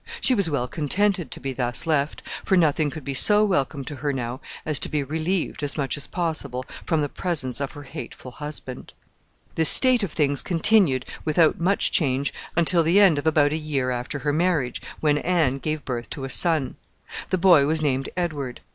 She was well contented to be thus left, for nothing could be so welcome to her now as to be relieved as much as possible from the presence of her hateful husband. This state of things continued, without much change, until the end of about a year after her marriage, when Anne gave birth to a son. The boy was named Edward.